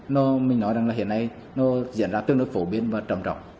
nó mình nói rằng là hiện nay nó diễn ra tương đối phổ biến và trầm trọng